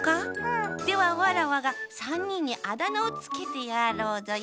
ではわらわがさんにんにあだなをつけてやろうぞよ。